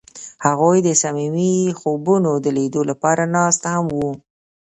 هغوی د صمیمي خوبونو د لیدلو لپاره ناست هم وو.